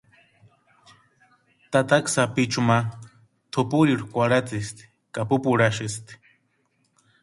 Tataka sapichu ma tʼupurirhu kwarhatsisti ka pupurhasïsti.